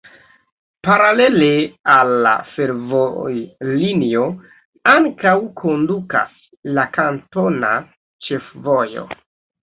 Paralele al la fervojlinio ankaŭ kondukas la kantona ĉefvojo.